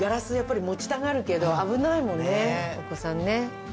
お子さんね。